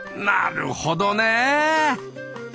なるほどね。